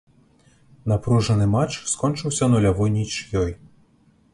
Напружаны матч скончыўся нулявой нічыёй.